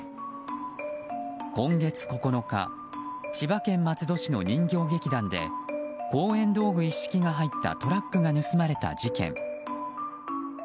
今月９日千葉県松戸市の人形劇団で公演道具一式が入ったトラックが盗まれた事件。